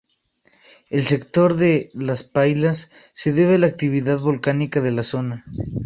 El sector de "Las Pailas" se debe a la actividad volcánica de la zona.